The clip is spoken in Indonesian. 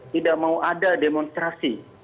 tidak mau ada demonstrasi